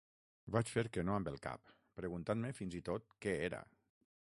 Vaig fer que no amb el cap, preguntant-me fins i tot què era.